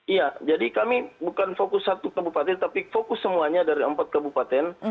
iya jadi kami bukan fokus satu kabupaten tapi fokus semuanya dari empat kabupaten